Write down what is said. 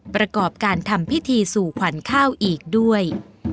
ประกอบการทำพิธีสู่ขวัญข้าวอีกด้วย